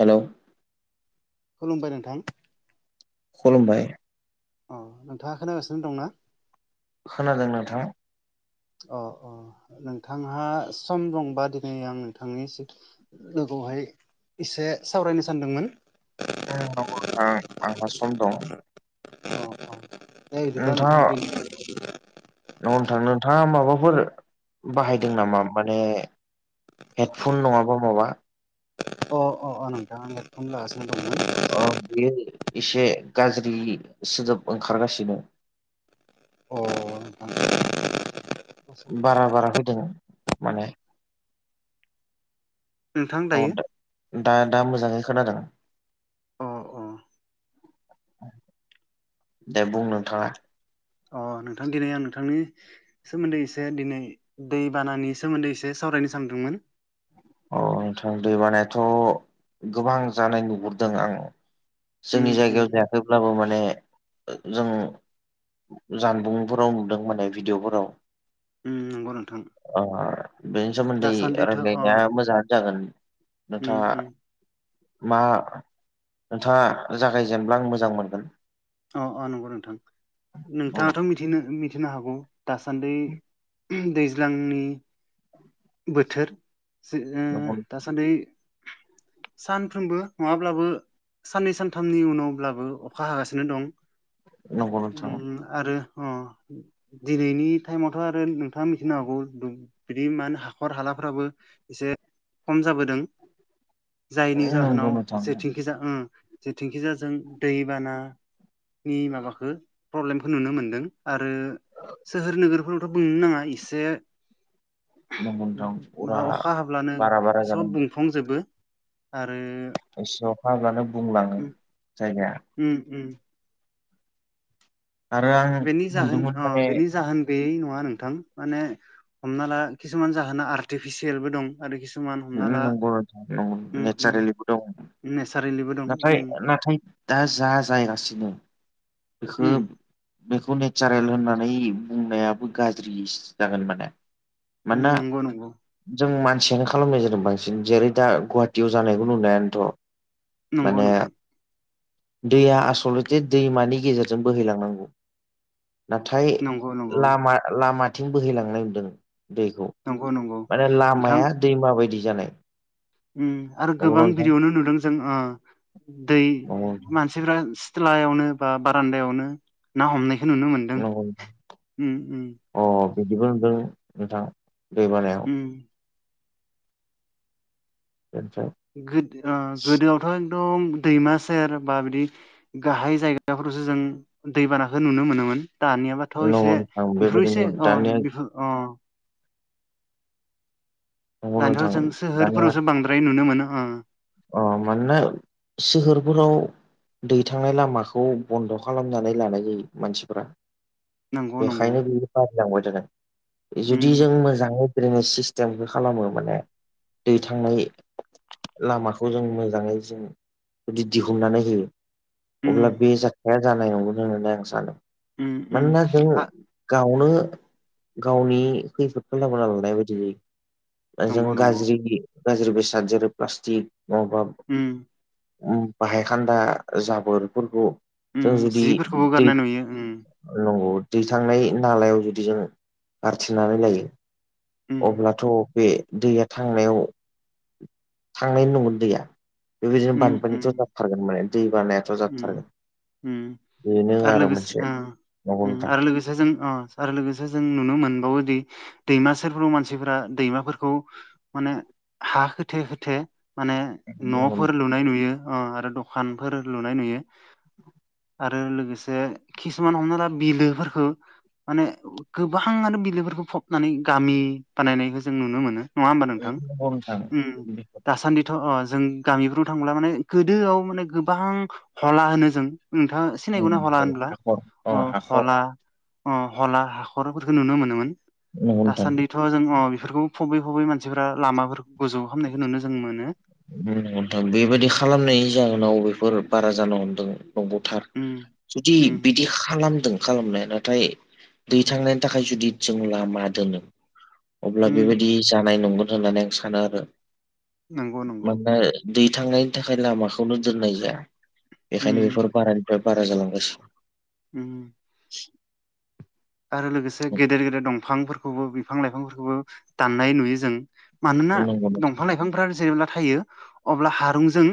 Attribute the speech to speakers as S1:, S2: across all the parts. S1: हेल'
S2: खुलुमबाय नोंथां
S1: खुलुमबाय
S2: अ नोंथाङा खोनागासिनो दं ना?
S1: खोनादों नोंथां
S2: अ अ नोंथांहा सम दंबा दिनै आं नोंथांनि सि लोगोआवहाय एसे सावरायनो सानदोंमोन।
S1: ओ नावहरथा आंहा सम दं।
S2: अ दे बिदिब्ला नोंथां
S1: नोंथाङा
S2: बे
S1: नोंथां नोंथाङा माबाफोर बाहायदों नामा माने हेडफन नङाबा माबा?
S2: अ अ नोंथां आं हेडफन लागासिनो दंमोन।
S1: अ बेयो एसे गाज्रि सोदोब ओंखारगासिनो
S2: अ नोंथां
S1: बारा बारा फैदों माने
S2: नोंथां
S1: औ
S2: दायो
S1: दा दा मोजाङै खोनादों।
S2: अ अ
S1: दे बुं नोंथाङा
S2: अ नोंथांनि दिनै आं नोंथांनि सोमोन्दै एसे दिनै दैबानानि सोमोन्दै एसे सावरायनो सानदोंमोन
S1: औ नोंथां दै बानायाथ' गोबां जानाय नुहुरदों आं
S2: उम
S1: जोंनि
S2: उम
S1: जायगायाव जायाखैब्लाबो माने जों जानबुंफोराव नुदों माने भिडिअफोराव
S2: उम नंगौ नोंथां
S1: ओ बिनि सोमोन्दै
S2: दासान्दिथ' अ
S1: रायलायनो दा मोजाङानो जागोन
S2: उम
S1: नोंथाङा
S2: उम
S1: मा नोंथाङा जागायजेनब्ला आं मोजां मोनगोन
S2: अ अ नंगौ नोंथां नोंथाङाथ' मिथिनो मिथिनो हागौ दासान्दै दैज्लांनि बोथोर जि ओं
S1: नंगौ
S2: दासान्दि सानफ्रोमबो नङाब्लाबो साननै सानथामनि उनावब्लाबो अखा हागासिनो बिदिनो
S1: नंगौ
S2: दं
S1: नोंथां
S2: उम आरो अ दिनैनि टाइमावथ' आरो नोंथाङा मिथिनो हागौ दु बिदि मा हाखर हालाफ्राबो एसे खम जाबोदों जायनि
S1: नंगौ
S2: जाहोनाव
S1: नोंथां
S2: जेथिं जेखिजाय उम जे जेखिजाजों दै बाना नि माबाखौ प्रब्लेमखौ नुनो मोनदों आरो सोहोर नोगोरफोरावथ' बुंनो नाङा एसे
S1: नंगौ नोंथां अरा
S2: माबा अखा हाब्लानो
S1: बारा बारा जादों
S2: सब बुं फुंजोबो आरो
S1: एसे अखा हाब्लानो बुंलाङो
S2: उम
S1: जायगाया
S2: उम उम
S1: आरो आं
S2: बेनि जाहोन
S1: नुदोंमोन
S2: ओ
S1: माने
S2: बेनि जाहोन बे नंङा नोंथां माने हमना ला किसुमान जाहोना आर्टिफिसियेलबो दं। आरो खिसुमान
S1: नंगौ नंगौ नेचारेलिबो दं।
S2: नेसारलिबो दं।
S1: नाथाय
S2: उम
S1: नाथाय दा जा जायगासिनो बेखौ
S2: उम
S1: बेखौ नेचारेल होननानै बुंनायाबो गाज्रिस जागोन माने
S2: उम
S1: मानोना
S2: नंगौ नंगौ
S1: जों मानसिनो ख खालामनाय जादों बांसिन जेरै दा गुवाहाटियाव जानायखौ नुनायानोथ'
S2: नंगौ
S1: माने
S2: नोंथां
S1: दैया आसलथे दैमानि गेजेरजों बोहैलांनांगौ नाथाय
S2: नंगौ नंगौ
S1: लामा लामाथिं बोहैलांनाय नुदों दैखौ
S2: नंगौ नंगौ
S1: माने
S2: नोंथां
S1: लामाया दैमा बायदि जानाय
S2: ओम आरो गोबां
S1: नंगौना नोंथां
S2: बिरियावनो नुदों जों ओ दै
S1: नंगौ नोंथां
S2: मान सिथ्लायावनो बा बारान्दायावनो ना हमनायखौ नुनो मोनदों
S1: नंगौ नोंथां
S2: ओम ओम
S1: अ बिदिबो नुदों नोंथां दै बानाया
S2: उम
S1: [unintelligible]
S2: गोदोआवथ' एकदम दैमा सेर बा बिदि गाहाय जायगाफोरावसो जों दैबानाखौ नुनो मोनोमोन। दानिया
S1: नंगौ
S2: बाथ'एसे
S1: नोंथां
S2: बेफोर एसे
S1: बेबायदिनो
S2: अ
S1: दानिया
S2: बिफोर अ'
S1: नंगौ
S2: दानिथ'
S1: नोंथां
S2: जों
S1: दानिया
S2: सोहोरफोरावसो बांद्राय नुनो मोनो ओ
S1: अ मानोना सोहोरफोराव दै थांनाय लामाखौ बन्द' खालामनानै लानाय जायो मानसिफ्रा
S2: नंगौ नंगौ
S1: बेखायनो बियो बारायलांबाय थादों जुदि जों
S2: उम
S1: मोजांङै नो सिस्टेमखौ खालामो माने दै थांनाय लामाखौ जों मोजांङै जों जुदि दिहुननानै होयो
S2: उम
S1: अब्ला बे जा हाया जानाय नंगौ होननानै आं सानो
S2: उम उम
S1: मानोना जोंङो
S2: आ
S1: गावनो गावनि खैफोदखौ लाबोन लांनाय बायदि जायो जों
S2: नंगौ नंगौ
S1: गाज्रि गाज्रि बेसाद जेरै प्लास्टिक मावबा
S2: ओम
S1: ओ बाहायखान्दा जाबोरफोरखौ
S2: उम
S1: जों जुदि
S2: जिफोरखौबो
S1: दै
S2: गारनाय नुयो उम
S1: ओ नंगौ दैखांनाय नालायाव जुदि जों गारथेनानै लायो
S2: उम
S1: अब्लाथ' बे दैया थांनायाव थांनाय नंङा दैया बेबायदिनो
S2: उम उम
S1: बानफानिथ' जाथारगोन माने दै बानायाथ' जाथारगोन
S2: ओम
S1: बेनो
S2: आरो लोगोसे
S1: मोनसे
S2: ओ
S1: नंगौ
S2: ओम
S1: नोंथां
S2: आरो लोगोसे जों आरो लोगोसे जों नुनो मोनबावोदि दैमा सोरफ्राव मानसिफोरा दैमाफोरखौ माने हा होथे होथे माने न'
S1: नंगौ
S2: लुनाय नुयो ओ आरो दखानफोर लुनाय नुयो आरो लोगोसे खिसुमान हमना ला बिलोफोरखो माने गोबांङानो बिलोफोरखौ फबनानै गामि बानायनायखौ जों नुनो मोनो। नंङामबा नोंथां ओ दासान्दिथ' अ जों गामिफ्राव थांब्ला माने गोदोआव माने गोबां हला होनो जों नोंथांङा सिनायखौना हला होनब्ला
S1: हाखर
S2: अ
S1: हाखर
S2: हला अ हला हाखरफोरखौ नुनो मोनोमोन
S1: नंगौ नोंथां
S2: दासान्दि थ' जों अ बेफोरखौ फबै फबै मानसिफ्रा लामाफोरखौ गोजौ खालामामनायखौ नुनो जों मोनो
S1: ओम नोंथां बेबायदि खालामनायनि जाहोनाव बेफोर बारा जानो हमदों औ दंबावथार
S2: उम
S1: जुदि
S2: उम
S1: बिदि खालामदों खालामनाया नाथाय दै थांनायनि थाखाय जुदि जों लामा दोनो अब्ला
S2: उम
S1: बेबायदि जानाय नंगोन होननानै आं सानो आरो
S2: नंगौ नंगौ
S1: मानोना दै थांनायनि थाखाय लामाखौनो दोननाय जाया बेखायनो
S2: उम
S1: बेफोर बारा बे बारा जालांगासिनो
S2: उम उम आरो लोगोसे गेदेर गेदेर दंफांफोरखौबो बिफां लाइफांफोरखौबो दाननाय नुयो जों मानोना
S1: नंगौ नोंथां
S2: दंफां लाइफांफ्रा जेब्ला थायो अब्ला हारुंजों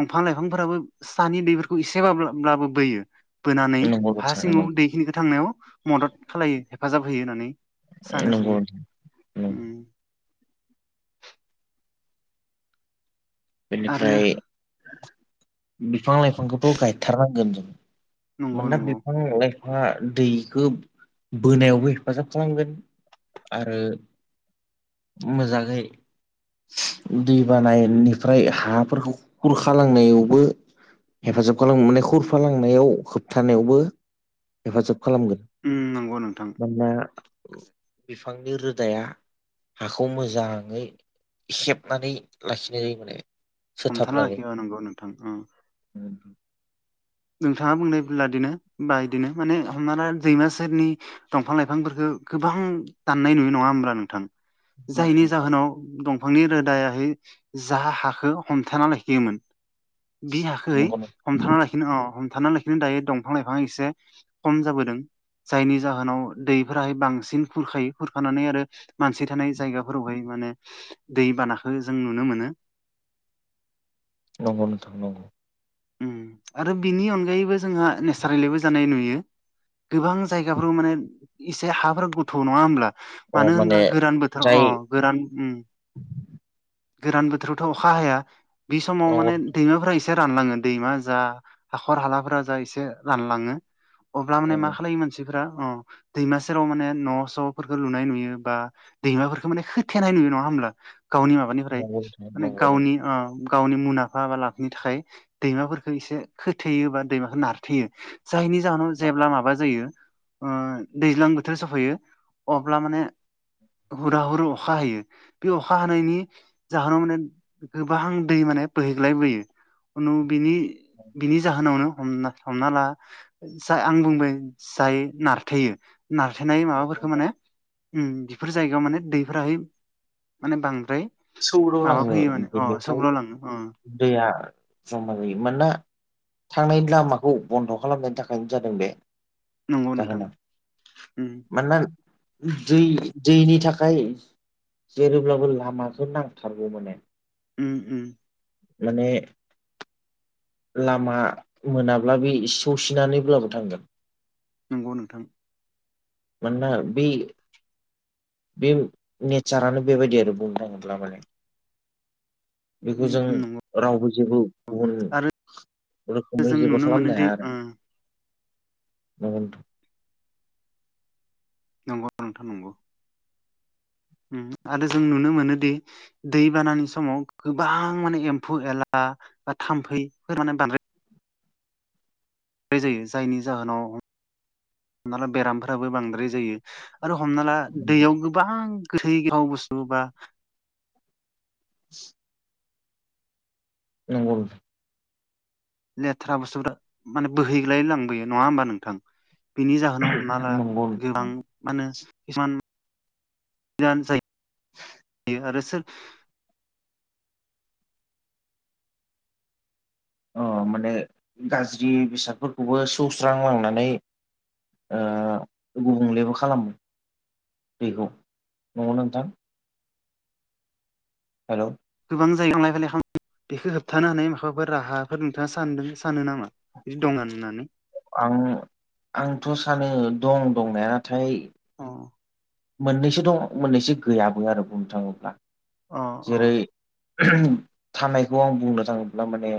S2: दंफां लाइफांफोराबो सानि दैफोरखौ इसेबाबब्लाबो बोयो बोनानै
S1: नंगौ
S2: हा
S1: बाथ्रा नंगौ
S2: सिङाव दैखिनिखौ थांनायाव मदद खालामलायो हेफाजाब होयो होननानै सानो
S1: नंगौ
S2: जोङो
S1: नोंथां नंगौ
S2: आरो
S1: बेनिफ्राय बिफां लाइफांखौथ' गायथारनांगोन जों
S2: नंगौ
S1: मोना
S2: नंगौ
S1: बिफां लाय हा दैखौ बोनायावबो हेफाजाब खालामगोन आरो मोजाङै दै बानायनि फ्राय हाफोरखौ खुरखा लांनायावबो हेफाजाब खालामो माने खरफालांनायाव होबथानायावबो हेफाजाब खालामगोन।
S2: ओम नंगौ नोंथां
S1: मानोना बिफांनि रोदाया हाखौ मोजाङै सेबनानै लाखिनाय जायो माने।
S2: हमथाना हखियो नंगौ नोंथां।
S1: औ नोंथां
S2: नोंथाङा बुंनायब्लादिनो बा बिदिनो माने हमना ला दैमा सेरनि दंफां लाइफांफोरखौ गोबां दाननाय नुयो नङा होमब्ला नोंथां जायनि
S1: नोंथां
S2: जाहोनाव दंफांनि रोदायाहै जा हाखौ हमथाना लाखियोमोन। बि हाखै
S1: नंगौ नोंथां
S2: हमथा लाखिनो अ हमथानानै लाखिनो दायो दंफां लाइफां एसे खम जाबोदों जायनि जाहोनाव दैफोराहाय बांसिन खुरखायो खुरखानानै आरो मानसि थानाय जायगाफोरावहाय माने दैबानाखौ जों नुनो मोनो।
S1: नंगौ नोंथां नंगौ
S2: आरो बिनि अनगायैबो जोंहा नेसारेलिबो जानाय नुयो। गोबां जायगाफ्राव माने एसे हाफोर गोथ' नङा होनोमब्ला
S1: अ
S2: मानो
S1: माने
S2: होनब्ला गोरान बोथोराव
S1: जाय
S2: अ गोरान ओम गोरान बोथोरावथ' अखा हाया। बे समाव
S1: नंगौ
S2: माने दैमाफोरा एसे रानलांगोन। दैमा जा हाखर हालाफोरा जा एसे रानलाङो अब्ला माने मा
S1: नंगौ
S2: खालायो मानसि फोरा अ दैमा सेराव माने न' स'फोरखौ लुनाय नुयो बा दैमाफोरखौ माने खोथेनाय नुयो नङा होमब्ला गावनि माबा माबानिफ्राय
S1: नंगौ नोंथां
S2: माने
S1: नंगौ
S2: गावनि गावनि मुलामफा बा लाब थाखाय दैमाफोरफोरखौ एसे खोथेयो बा दैमाखौ नारथेयो। जायनि जाहोनाव
S1: नंगौ
S2: जेब्ला माबा जायो ओ दैज्लां बोथोर सफैयो अब्ला माने हुरा हुर अखा हायो बे अखा हानायनि जाहोनाव माने गोबां दै माने बोहैग्लायबोयो उनाव बिनि बिनि जाहोनावनो हमना हमना ला जा आं बुंबाय जायो नारथेयो नारथेनाय माबाफोरखौ माने ओम बेफोर जायगायाव माने दैफोराहाय माने बांद्राय माबा
S1: सौदावलाङो
S2: फैयो माने अ
S1: बेनिफ्राय
S2: सौग्राव लाङो अ
S1: दैया जमालायो मानोना थांनायनि लामाखौ बन्द' खालामनायनि थाखायनो जादों बे
S2: नंगौ नोंथां
S1: जाहोना
S2: उम
S1: मानोना दै दैनि थाखाय जेरैब्लाबो लामाखौ नांथारगौ माने।
S2: ओम ओम
S1: माने लामा मोनाब्ला बे सौसिनानैब्लाबो थांगोन।
S2: नंगौ नोंथां
S1: मानोना बे बे नेचारानो बेबायदि आरो बुंनो थाङोब्ला माने बेखौ
S2: उम
S1: जों
S2: उम नंगौ
S1: रावबो जेबो गुबुन
S2: आरो
S1: रोखोमै
S2: जों
S1: जेबो
S2: नुनो
S1: खालामनो
S2: मोनोदि
S1: हाया आरो
S2: ओ नंगौ नोथां नंगौ उम आरो जों नुनो मोनोदि दै बानानि समाव गोबां माने एम्फौ एला बा थाम्फैफोर माने बांद्राय जायो जायनि जाहोनाव हमना ला बेरामफोराबो बांद्राय जायो, आरो हमना ला दैयाव गोबां गोथै गोथाव बुस्थु बा
S1: [unintelligible] नंगौ।
S2: लेथ्रा बुस्थुफ्रा माने बोहैग्लाय लांबोयो, नङा होमबा नोंथां। बिनि जाहोनाव हमना ला
S1: नंगौ
S2: गोबां मानो किसुमानद जायो। आरोसोल
S1: अ माने गाज्रि बेसादफोरखौबो सौस्रांलांनानै ओ गुबुंलेबो खालामो दैखौ, न'आव नोंथां। हेल'।
S2: गोबां जायगायाव थांलाय फैलाय बेखौ होबथानो हानाय माबाफोर राहाफोर नोंथाङा सानदों सानो नामा? बिदि दं होननानै।
S1: आं आंथ' सानो दं दंनायाथ नाथाय
S2: [unintelligible]
S1: मोननैसो दङ मोननैसो गैयाबो आरो बुंनो थाङोब्ला,
S2: अ अ
S1: जेरै थानायखौ आं बुंनो थाङोब्ला माने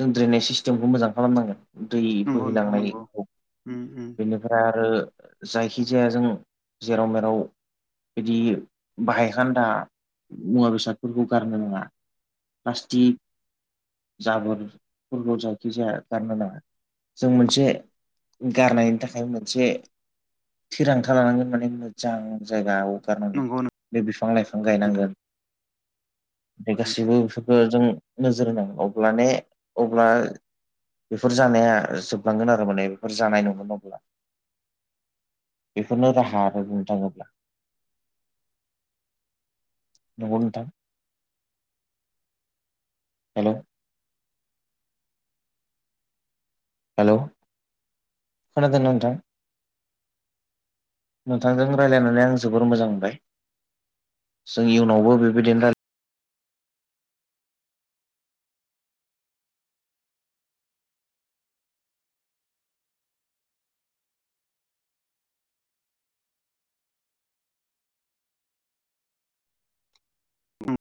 S1: जों ड्रेनेज सिस्टेमखौ मोजां खालामनांगोन। दै
S2: नंगौ नोंथां नंगौ
S1: बोहैलांनायखौ
S2: उम उम
S1: बेनिफ्राय आरो जायखि जाया जों जेराव मेराव बिदि बाहायखान्दा मुवा बेसादफोरखौ गारनो नाङा। प्लास्टिक जाबजाखि जाया गारनो नांआ। जों मोनसे गारनायनि थाखाय मोनसे थिरांथा लानांगोन माने। जां जाय
S2: नंगौ नोंथां।
S1: बे बिफां लाइफां गायनांगोन बे गासैबो बे जों नोजोर होनांगोन अल्बाने अब्ला बेफोर जानाया जोबलांगोन आरो माने बेफोर जानाय नङोन अब्ला बेफोरनो राहा आरो बुंनो थाङोब्ला। [unintelligible] हेल' खोनादों नोंथां? नोंथांजों रायज्लायनानै आं जोबोर मोजां मोनबाय। जोंनि इनावबो बेबायदिनो राय